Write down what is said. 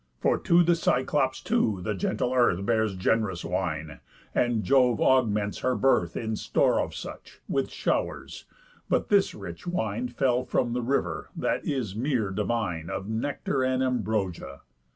For to the Cyclops too the gentle earth Bears gen'rous wine, and Jove augments her birth, In store of such, with show'rs; but this rich wine Fell from the river, that is mere divine, Of nectar and ambrosia.